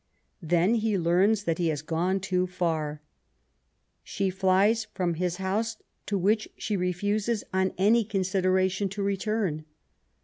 Then he learns that he has gone too far. She flies from his house, to which she refuses, on any consideration, to return.